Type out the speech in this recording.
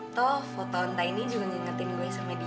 toh foto hontai ini juga ngingetin gue sama dia